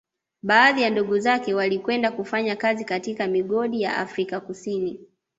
Baadhi ya ndugu zake walikwenda kufanya kazi katika migodi ya Afrika Kusini